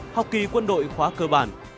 học kỳ quân đội khóa cơ bản